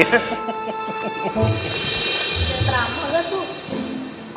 teramu gak tuh